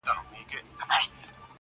نه یم رسېدلی لا سپېڅلیي لېونتوب ته زه.